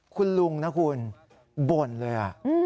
คุณลุงนะคุณบ่นเลย